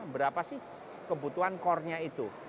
berapa sih kebutuhan core nya itu